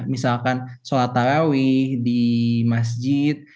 misalkan sholat tarawih di masjid